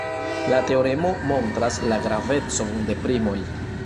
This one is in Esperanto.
La teoremo montras la gravecon de primoj.